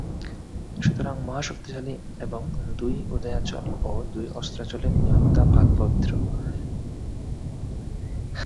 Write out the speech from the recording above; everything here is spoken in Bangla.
সুতরাং মহাশক্তিশালী এবং দুই উদয়াচল ও দুই অস্তাচলের নিয়ন্তা পাক পবিত্র।